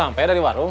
tapi hari baru datang